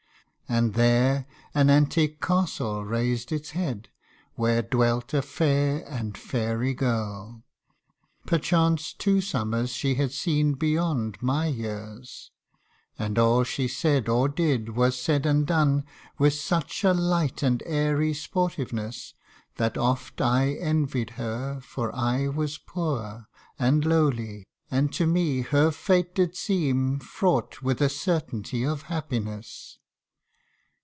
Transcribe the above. And there an antique castle rais'd its head, Where dwelt a fair and fairy girl : perchance Two summers she had seen beyond my years ; And all she said or did, was said and done With such a light and airy sportiveness, That oft I envied her, for I was poor, And lowly, and to me her fate did seem Fraught with a certainty of happiness.